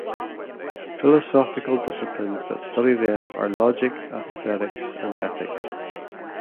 Philosophical disciplines that study them are "logic, aesthetics and ethics".